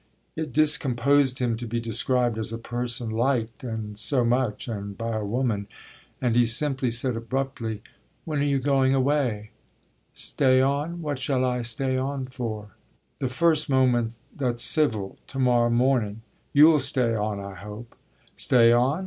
It discomposed him to be described as a person liked, and so much, and by a woman; and he simply said abruptly: "When are you going away?" "The first moment that's civil to morrow morning. You'll stay on I hope." "Stay on?